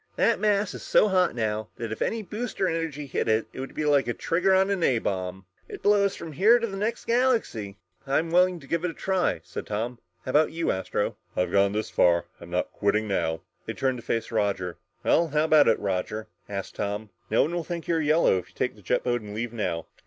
"That mass is so hot now, if any booster energy hit it, it would be like a trigger on a bomb. It'd blow us from here to the next galaxy!" "I'm willing to try it," said Tom. "How about you, Astro?" "I've gone this far, and I'm not quitting now." They turned to face Roger. "Well, how about it, Roger?" asked Tom. "No one will think you're yellow if you take the jet boat and leave now."